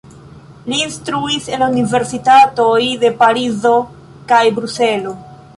Li instruis en la universitatoj de Parizo kaj Bruselo.